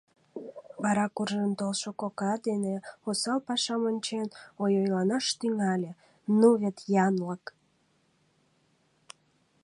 Вара куржын толшо кока дене, осал пашам ончен, ойойланаш тӱҥале: «Ну вет янлык!